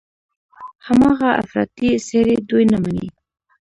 هماغه افراطي څېرې دوی نه مني.